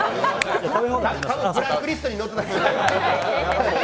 ブラックリストに載ってた。